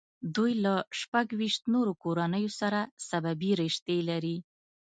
دوی له شپږ ویشت نورو کورنیو سره سببي رشتې لري.